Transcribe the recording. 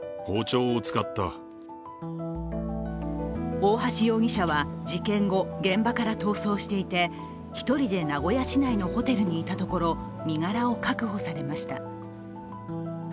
大橋容疑者は事件後、現場から逃走していて、１人で名古屋市内のホテルにいたところ身柄を確保されました。